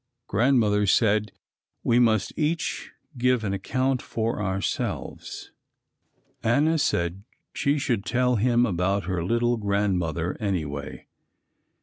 Grandmother said we must each give an account for ourselves. Anna said she should tell him about her little Grandmother anyway.